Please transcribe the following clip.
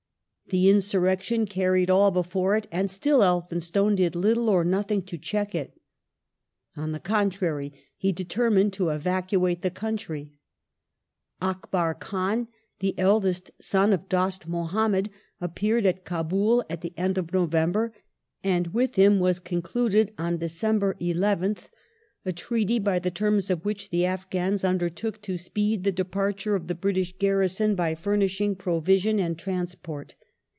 The insurrection carried all before it and still Elphinstone did little or nothing to check it. On the contrary, he determined to evacuate the country. Akbar Khan, the eldest son of Dost Muhammad, appeared at Kabul at the end of November and with him was concluded, on December 11th, a ti'eaty by the terms of which the Afghans undertook to speed the departure of the British garrison by furnishing provisions and transport.